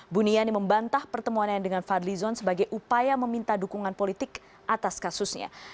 buniyani membantah pertemuan yang dengan fadlizon sebagai upaya meminta dukungan politik atas kasusnya